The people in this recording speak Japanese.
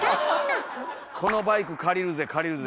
「このバイク借りるぜ」「借りるぜ」